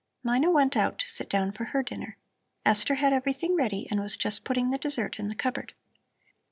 Mina went out to sit down for her dinner. Esther had everything ready and was just putting the dessert in the cupboard.